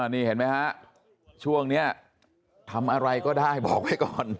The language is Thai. นี่เห็นไหมฮะช่วงนี้ทำอะไรก็ได้บอกไว้ก่อน